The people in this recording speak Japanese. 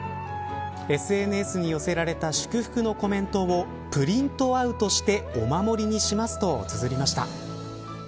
ＳＮＳに寄せられた祝福のコメントをプリントアウトして御守りにしますとつづりました。